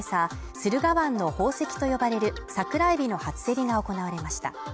駿河湾の宝石と呼ばれるサクラエビの初競りが行われました。